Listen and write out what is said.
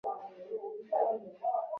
道光二十七年成丁未科二甲进士。